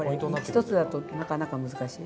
１つだとなかなか難しい。